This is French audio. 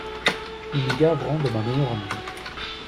Nous nous gaverons de ma meilleure amie.